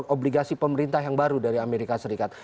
obligasi pemerintah yang baru dari amerika serikat